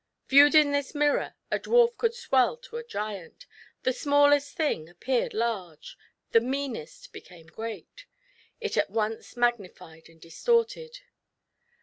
Viewed in this mirror, a dwarf would swell to a giant, the smallest thing appeared large, the meanest became great — it at once magnified and distorted.